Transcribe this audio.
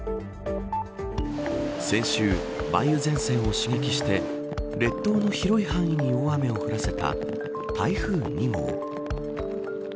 先週、梅雨前線を刺激して列島の広い範囲に大雨を降らせた台風２号。